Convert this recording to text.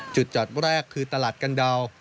จุดจอดแรกคือตลาดกันดาว